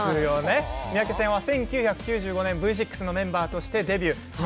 三宅さんは１９９５年Ｖ６のメンバーとしてデビュー。